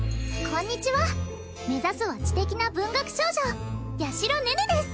こんにちは目指すは知的な文学少女八尋寧々です